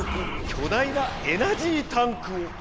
巨大なエナジータンクを！